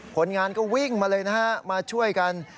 ผลงานก็วิ่งมาเลยมาช่วยกัน